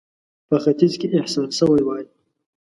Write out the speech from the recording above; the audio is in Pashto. په ختیځ کې احساس سوې وای.